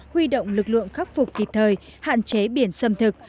huy động lực lượng khắc phục kịp thời hạn chế biển xâm thực